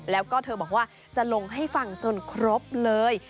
แล้วก็เธอบอกว่าจะลงให้ฟังจนครบเลย